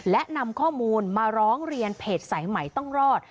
และนำข้อมูลมาร้องเรียนเพจสายใหม่ต้องรอด